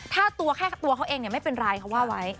ถ้าตัวแค่ตัวเขาเองไม่เป็นไรเขาว่าไว้